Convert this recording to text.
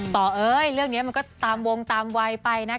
เอ้ยเรื่องนี้มันก็ตามวงตามวัยไปนะ